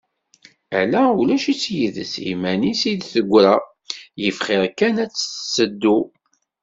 Ala! Ulac-itt yid-s, iman-is i d-tegra, yif xir kan ad tt-tettu.